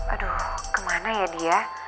aduh kemana ya dia